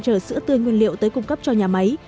chở sữa tươi nguyên liệu tới cung cấp cho nhà máy